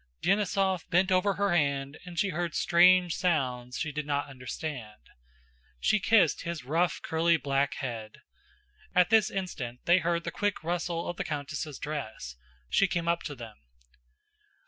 Denísov bent over her hand and she heard strange sounds she did not understand. She kissed his rough curly black head. At this instant, they heard the quick rustle of the countess' dress. She came up to them.